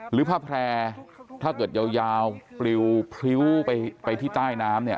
ผ้าแพร่ถ้าเกิดยาวปลิวพริ้วไปที่ใต้น้ำเนี่ย